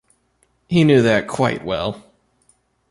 He knew that quite well!